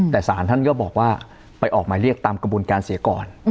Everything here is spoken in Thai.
แต่สารท่านก็บอกว่าไปออกหมายเรียกตามกระบวนการเสียก่อน